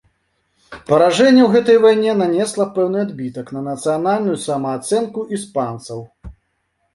Паражэнне ў гэтай вайне нанесла пэўны адбітак на нацыянальную самаацэнку іспанцаў.